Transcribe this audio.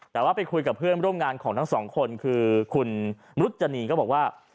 แต่ว่าไปคุยกับเพื่อนร่วมงานของทั้งสองคนคือคุณรุจนีก็บอกว่า